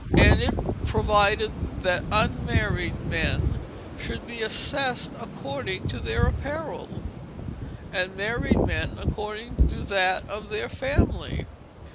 And it provided that unmarried men should be assessed according to their apparel, and married men according to that of their family.